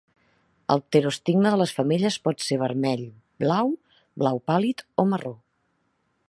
El pterostigma de les femelles pot ser vermell, blau, blau pàl·lid o marró.